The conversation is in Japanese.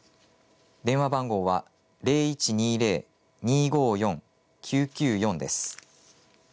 電話番号は０１２０−２５４−９９４です。